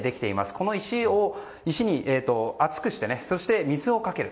この石を熱くしてそして水をかける。